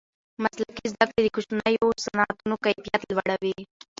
مسلکي زده کړې د کوچنیو صنعتونو کیفیت لوړوي.